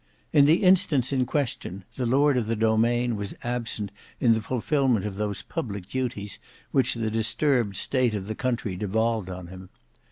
In the instance in question, the lord of the domain was absent in the fulfilment of those public duties which the disturbed state of the country devolved on him.